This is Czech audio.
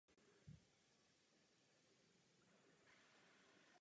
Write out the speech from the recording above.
Postavili jste mě na vysoký žulový podstavec.